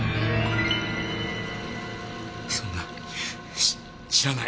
そんなのし知らない。